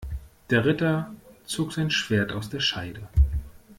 Der Ritter zog sein Schwert aus der Scheide.